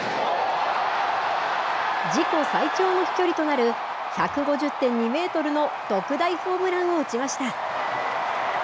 自己最長の飛距離となる１５０．２メートルの特大ホームランを打ちました。